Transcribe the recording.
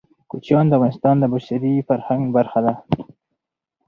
کوچیان د افغانستان د بشري فرهنګ برخه ده.